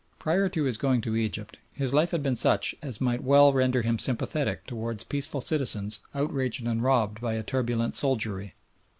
Prior to his going to Egypt his life had been such as might well render him sympathetic towards peaceful citizens outraged and robbed by a turbulent soldiery.